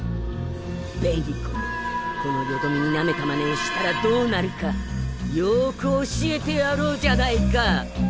紅子めこのよどみになめたまねをしたらどうなるかよく教えてやろうじゃないか！